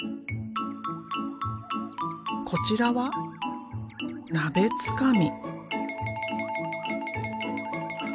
こちらは鍋つかみ。